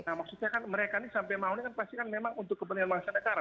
nah maksudnya kan mereka ini sampai maunya kan pasti kan memang untuk kebenaran masyarakat